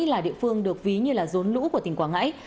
là địa phương được ví như rốn lũ của tỉnh quảng ngãi